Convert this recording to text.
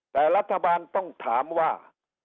แต่รัฐบาลต้องถามว่า